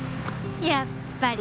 やっぱり。